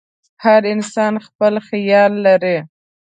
هر انسان خپل خیال لري.